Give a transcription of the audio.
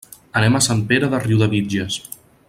Anem a Sant Pere de Riudebitlles.